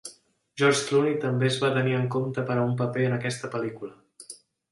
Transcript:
George Clooney també es va tenir en compte per a un paper en aquesta pel·lícula.